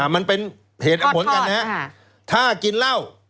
มันเป็นเหตุผลกันนะฮะถ้ากินเล่า